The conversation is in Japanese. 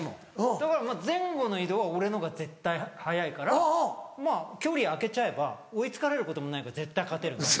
だから前後の移動は俺のほうが絶対速いからまぁ距離空けちゃえば追い付かれることもないから絶対勝てる。